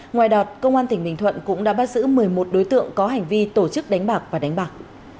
ngoài đoạt công an tỉnh bình thuận cũng đã bắt giữ một mươi một đối tượng có hành vi tổ chức đánh bạc và đánh bạc